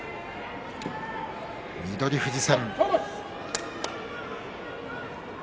翠富士戦。